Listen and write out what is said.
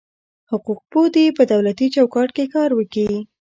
حقوق پوه دي په دولتي چوکاټ کي کار وکي.